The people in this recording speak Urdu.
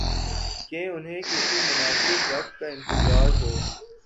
کہ انہیں کسی مناسب وقت کا انتظار ہو۔